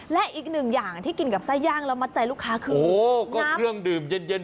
และอีกหนึ่งอย่างที่กินกับไส้ย่างแล้วมัดใจลูกค้าคือโอ้โหก็เครื่องดื่มเย็นเย็น